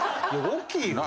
大きいよ